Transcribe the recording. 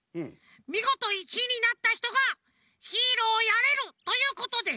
みごと１いになったひとがヒーローをやれるということです。